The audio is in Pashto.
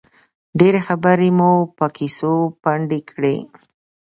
ډېرې خبرې مو په کیسو پنډې کړې.